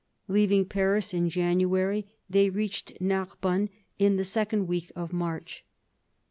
Leaving Paris in January, they reached Narbonne in the second week of March.